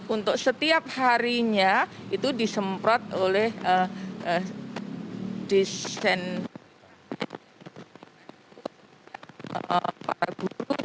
untuk setiap harinya itu disemprot oleh desain para guru